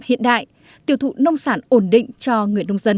hiện đại tiêu thụ nông sản ổn định cho người nông dân